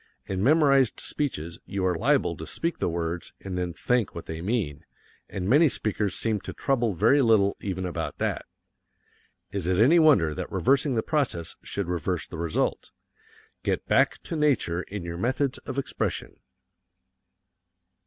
In memorized speeches you are liable to speak the words, and then think what they mean and many speakers seem to trouble very little even about that. Is it any wonder that reversing the process should reverse the result? Get back to nature in your methods of expression.